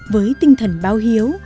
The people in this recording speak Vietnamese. với tinh thần bao hiếu